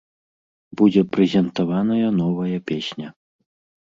Будзе прэзентаваная новая песня.